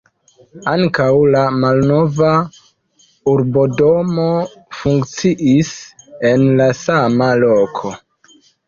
Ankaŭ la malnova urbodomo funkciis en la sama loko.